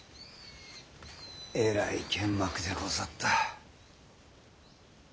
えらい剣幕でござった。